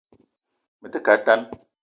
Me te ke a tan